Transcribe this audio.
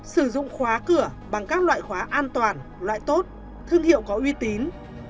sử dụng khóa cửa bằng các loại khóa an toàn loại tốt thương hiệu có uy tín